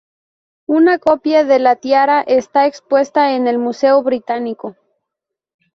Una copia de la tiara está expuesta en el Museo Británico.